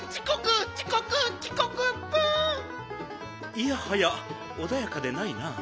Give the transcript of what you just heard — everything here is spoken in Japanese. いやはやおだやかでないな。